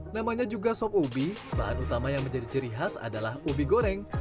namanya juga sop ubi bahan utama yang menjadi ciri khas adalah ubi goreng